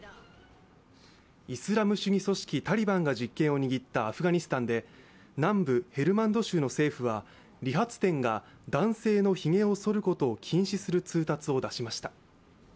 イスラム主義組織タリバンが実権を握ったアフガニスタンで南部ヘルマンド州の政府は理髪店が男性のひげをそることを禁止する通達を出しました。